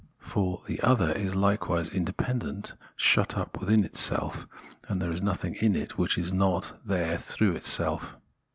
For the other is likewise independent, shut up within itself, and there is nothing in it which is not there through itself.